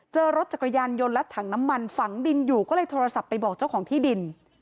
เจอรถจักรยานยนต์และถังน้ำมันฝังดินอยู่ก็เลยโทรศัพท์ไปบอกเจ้าของที่ดิน